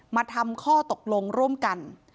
มาทำข้อตกลงร่วมกัน